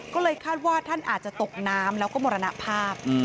ก็เลยคาดว่าท่านอาจจะตกน้ำแล้วก็มรณภาพ